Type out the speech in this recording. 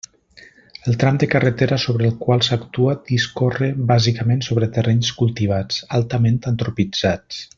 El tram de carretera sobre el qual s'actua discorre bàsicament sobre terrenys cultivats, altament antropitzats.